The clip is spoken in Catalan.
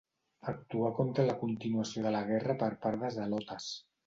Actuà contra la continuació de la guerra per part de zelotes.